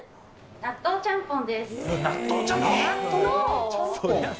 納豆ちゃんぽん？